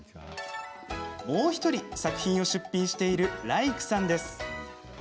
もう１人、作品を出品しているＲａｉｋｕさんです。